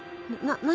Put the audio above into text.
何？